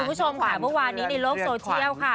คุณผู้ชมค่ะเมื่อวานนี้ในโลกโซเชียลค่ะ